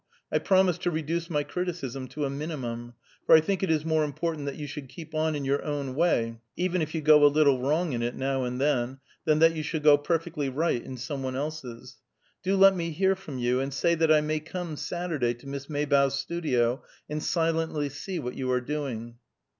I promise to reduce my criticism to a minimum, for I think it is more important that you should keep on in your own way, even if you go a little wrong in it, now and then, than that you should go perfectly right in some one's else. Do let me hear from you, and say that I may come Saturday to Miss Maybough's studio, and silently see what you are doing."